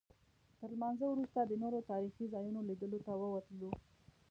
تر لمانځه وروسته د نورو تاریخي ځایونو لیدلو ته ووتلو.